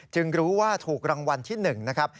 รู้ว่าถูกรางวัลที่๑นะครับ